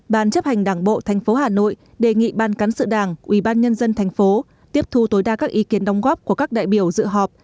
ban chấp hành đảng bộ tp hà nội đề nghị ban cán sự đảng ubnd tp tiếp thu tối đa các ý kiến đóng góp của các đại biểu dự họp